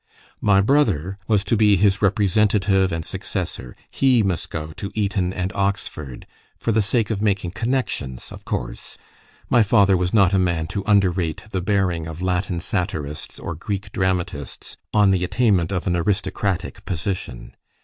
My brother was to be his representative and successor; he must go to Eton and Oxford, for the sake of making connexions, of course: my father was not a man to underrate the bearing of Latin satirists or Greek dramatists on the attainment of an aristocratic position.